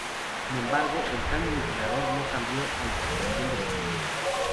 Sin embargo, el cambio de entrenador no cambió al situación del equipo.